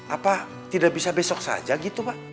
apa tidak bisa besok saja gitu pak